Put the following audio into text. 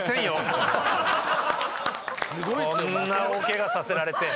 こんな大ケガさせられて。